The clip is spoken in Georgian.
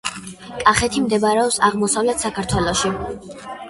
კახეთი მდებარეობს აღმოსავლეთ საქართველოში